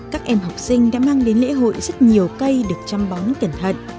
các em học sinh đã mang đến lễ hội rất nhiều cây được chăm bón cẩn thận